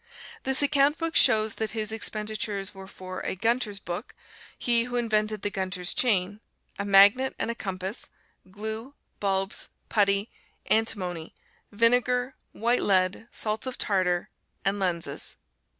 This account book shows that his expenditures were for a Gunter's Book (he who invented the Gunter's Chain), a magnet and a compass, glue, bulbs, putty, antimony, vinegar, white lead, salts of tartar, and lenses.